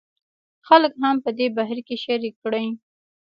خلک هم په دې بهیر کې شریک کړي.